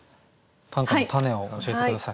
「短歌のたね」を教えて下さい。